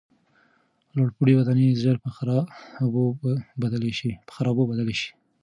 لوړپوړي ودانۍ ژر په خرابو بدلې شوې.